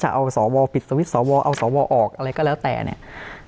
เอาสวปิดสวิตช์สวเอาสวออกอะไรก็แล้วแต่เนี่ย